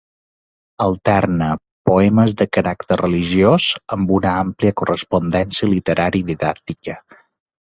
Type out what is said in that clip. Alterna poemes de caràcter religiós amb una àmplia correspondència literària i didàctica.